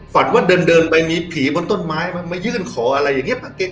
ฝันว่าเดินเดินไปมีผีบนต้นไม้มันมันมายื่นขออะไรอย่างเงี้ย